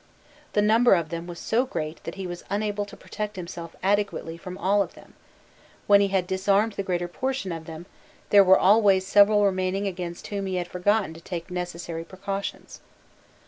* The number of them was so great that he was unable to protect himself adequately from all of them: when he had disarmed the greater portion of them, there were always several remaining against whom he had forgotten to take necessary precautions.